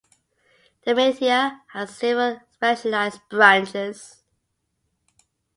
The Militia has several specialized branches.